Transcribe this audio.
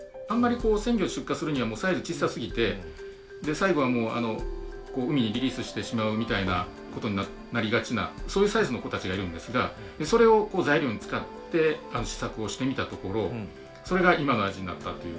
最後は海にリリースしてしまうみたいなことになりがちなそういうサイズの子たちがいるんですがそれを材料に使って試作をしてみたところそれが今の味になったという。